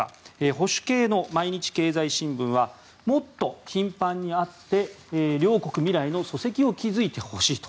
保守系の毎日経済新聞はもっと頻繁に会って両国未来の礎石を築いてほしいと。